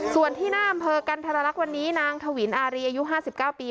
ส่วนที่หน้าอำเภอกันทรลักษณ์วันนี้นางถวินอารีอายุ๕๙ปี